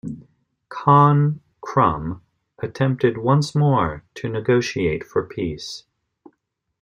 Khan Krum attempted once more to negotiate for peace.